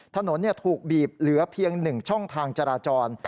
ถนนถูกบีบเหลือเพียง๑ช่องทางจราจร